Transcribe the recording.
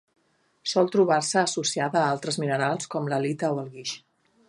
Sol trobar-se associada a altres minerals com l'halita o el guix.